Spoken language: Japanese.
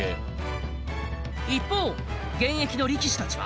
一方現役の力士たちは。